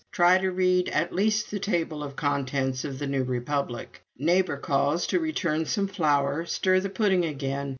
Try to read at least the table of contents of the "New Republic." Neighbor calls to return some flour. Stir the pudding again.